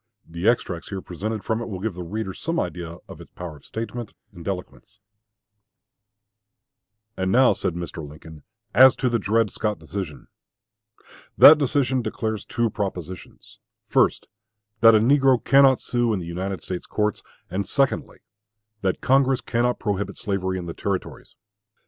The extracts here presented from it will give the reader some idea of its power of statement and eloquence: And now [said Mr. Lincoln] as to the Dred Scott decision. That decision declares two propositions first, that a negro cannot sue in the United States courts; and secondly, that Congress cannot prohibit slavery in the Territories.